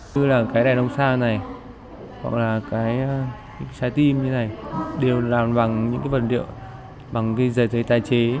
như là cái đèn ông sao này hoặc là cái sái tim như thế này đều làm bằng những vật liệu bằng giấy tài chế